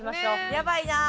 やばいな。